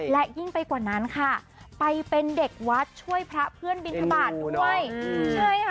และยิ่งไปกว่านั้นค่ะไปเป็นเด็กวัดช่วยพระเพื่อนบินทบาทด้วยใช่ค่ะ